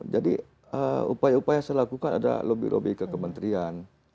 jadi upaya upaya saya lakukan ada lebih lebih ke kementerian